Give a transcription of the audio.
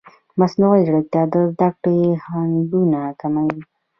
مصنوعي ځیرکتیا د زده کړې خنډونه کموي.